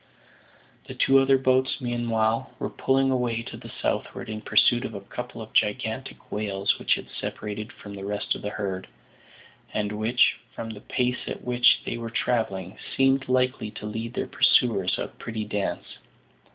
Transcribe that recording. The two other boats, meanwhile, were pulling away to the southward in pursuit of a couple of gigantic whales which had separated from the rest of the herd, and which, from the pace at which they were travelling, seemed likely to lead their pursuers a pretty dance.